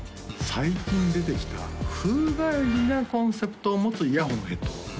最近出てきた風変わりなコンセプトを持つイヤフォンヘッドフォンをね